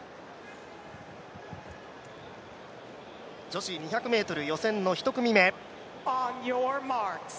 女子２００ｍ予選の１組目。